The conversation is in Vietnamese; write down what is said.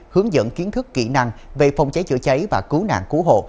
hướng dẫn kiến thức kỹ năng về phòng cháy chữa cháy và cứu nạn cứu hộ